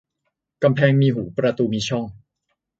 กำแพงมีหูประตูมีช่อง